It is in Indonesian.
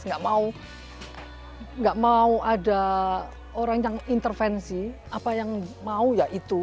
tidak mau ada orang yang intervensi apa yang mau ya itu